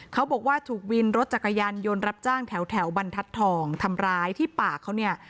เขาบอกว่าถูกวินรถจักรยานยนต์รับจ้างแถวบรรทัศน์ทองทำร้ายที่ปากเขาเนี่ย